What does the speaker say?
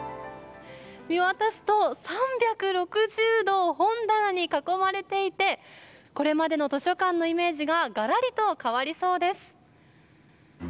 見渡すと、３６０度本棚に囲まれていてこれまでの図書館のイメージががらりと変わりそうです。